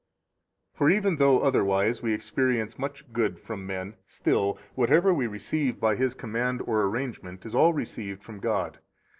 26 For even though otherwise we experience much good from men, still whatever we receive by His command or arrangement is all received from God.